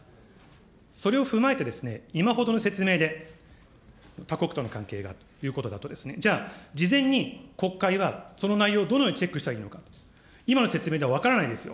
それを踏まえて今ほどの説明で他国との関係がということだとですね、じゃあ、事前に国会はその内容をどのようにチェックしたらいいのか、今の説明では分からないですよ。